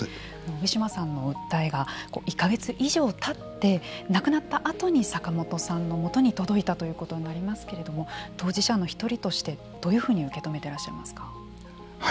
ウィシュマさんの訴えが１か月以上たって亡くなったあとに坂元さんのもとに届いたということになりますけれども当事者の１人としてどういうふうに受け止めていらっしゃいますか。